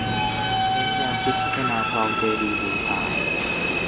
เน้นแนวคิดพัฒนาคลองเจดีย์บูชา